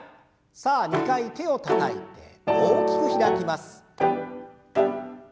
さあ２回手をたたいて大きく開きます。